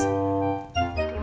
masih banyak di kulkas